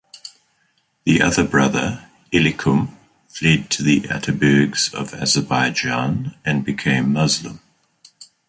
The other brother, Elikum, fled to the Atabegs of Azerbaijan and became Muslim.